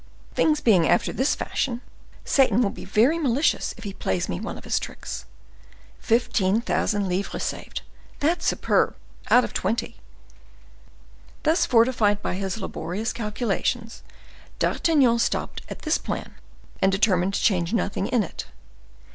Things being after this fashion, Satan will be very malicious if he plays me one of his tricks. Fifteen thousand livres saved—that's superb—out of twenty!" Thus fortified by his laborious calculations, D'Artagnan stopped at this plan, and determined to change nothing in it.